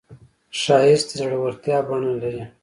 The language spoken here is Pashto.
ښایست د زړورتیا بڼه لري